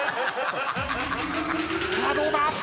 さあどうだ？